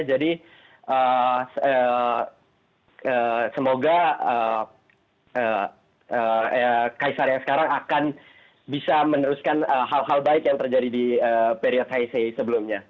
jadi semoga kaisar yang sekarang akan bisa meneruskan hal hal baik yang terjadi di periode heisei sebelumnya